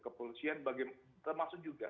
kepolisian termasuk juga